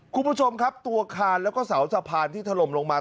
คุณผู้ชมครับตัวคานแล้วก็เสาสะพานที่ถล่มลงมา